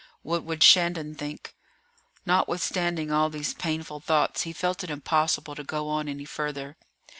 What would Shandon think? Notwithstanding all these painful thoughts, he felt it impossible to go on any further.